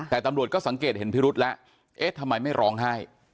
แต่ตำรวจก็สังเกตเห็นพิรุษแล้วเอ๊ะทำไมไม่ร้องไห้